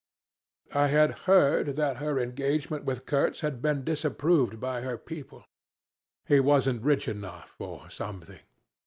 I had heard that her engagement with Kurtz had been disapproved by her people. He wasn't rich enough or something.